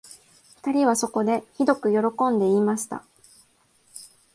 二人はそこで、ひどくよろこんで言いました